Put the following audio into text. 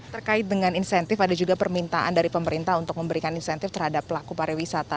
terkait dengan insentif ada juga permintaan dari pemerintah untuk memberikan insentif terhadap pelaku pariwisata